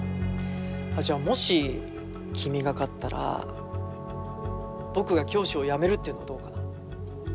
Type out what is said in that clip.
じゃあもし君が勝ったら僕が教師をやめるっていうのはどうかな？